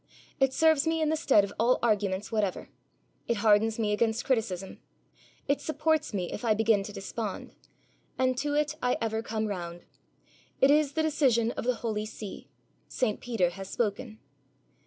It serves me in the stead of all arguments whatever; it hardens me against criticism; it supports me if I begin to despond; and to it I ever come round. It is the decision of the Holy See; Saint Peter has spoken.'